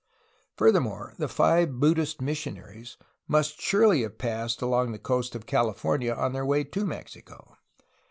Furthermore, the five Buddhist missionaries must surely have passed along the coast of California on their way to Mexico.